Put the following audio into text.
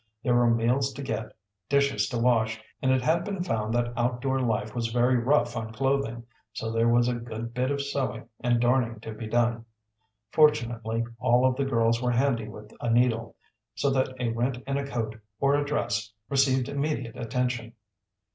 There were meals to get, dishes to wash, and it had been found that outdoor life was very rough on clothing, so there was a good bit of sewing and darning to be done. Fortunately all of the girls were handy with a needle, so that a rent in a coat or a dress received immediate attention.